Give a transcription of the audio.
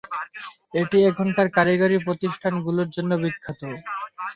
এটি এখানকার কারিগরী প্রতিষ্ঠান গুলোর জন্য বিখ্যাত।